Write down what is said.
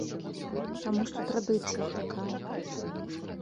Таму што традыцыя такая.